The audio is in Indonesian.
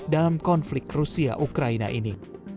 dalam konflik rusia ukraina ini